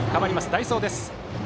代走です。